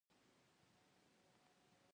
ایا د هډوکو پوکي لرئ؟